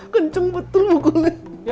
kenceng betul mukulnya